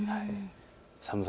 寒さ